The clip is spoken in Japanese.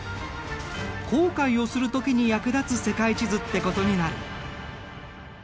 航海をする時に役立つ世界地図ってことになる。